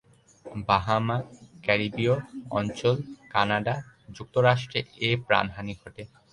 Bahama, Caribbean অঞ্চল, Canada, যুক্তরাষ্ট্রে এ প্রাণহানি ঘটে।